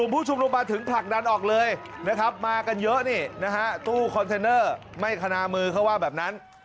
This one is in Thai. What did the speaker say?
ผู้ชุมนุมมาถึงผลักดันออกเลยนะครับมากันเยอะนี่นะฮะตู้คอนเทนเนอร์ไม่คณามือเขาว่าแบบนั้น